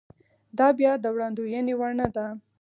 دا بیا د وړاندوېنې وړ نه ده.